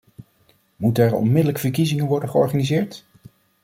Moeten er onmiddellijk verkiezingen worden georganiseerd?